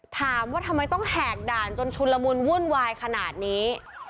ถามว่าทำไมต้องแหกด่านจนชุนละมุนวุ่นวายขนาดนี้